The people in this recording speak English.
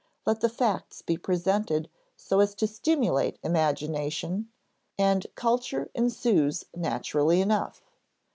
Let the facts be presented so as to stimulate imagination, and culture ensues naturally enough.